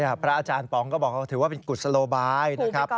นี่พระอาจารย์ปองพ์ก็บอกคือถือว่าคือมันกุศลบาย